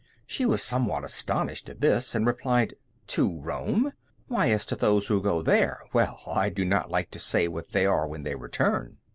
She was somewhat astonished at this, and replied: "To Rome? Why, as to those who go there well, I do not like to say what they are when they return."